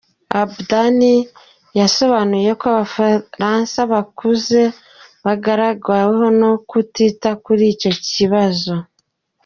Abtan yasobanuye ko Abafaransa bakuze bagaragaweho no kutita kuri icyo kibazo.